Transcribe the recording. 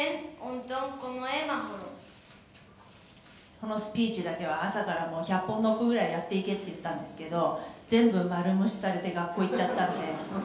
「このスピーチだけは朝からもう１００本ノックぐらいやっていけって言ったんですけど全部丸無視されて学校行っちゃったんで」